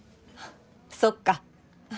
そっか。